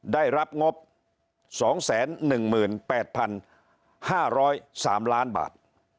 ได้รับงบ๒๑๘๕๐๓ล้านบาท